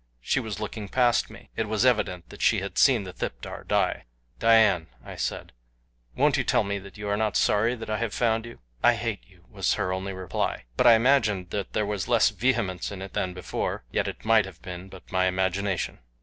She was looking past me. It was evident that she had seen the thipdar die. "Dian," I said, "won't you tell me that you are not sorry that I have found you?" "I hate you," was her only reply; but I imagined that there was less vehemence in it than before yet it might have been but my imagination.